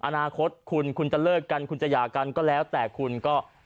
อนาคตคุณคุณจะเลิกกันคุณจะหย่ากันก็แล้วแต่คุณก็